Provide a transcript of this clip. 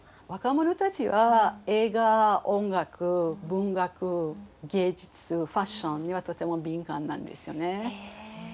若者たちは映画音楽文学芸術ファッションにはとても敏感なんですよね。